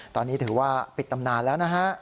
ตอนนี้ถือว่าปิดตำนานแล้วนะฮะ